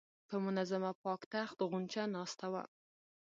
په منظم او پاک تخت غونجه ناسته وه.